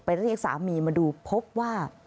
เรียกสามีมาดูพบว่า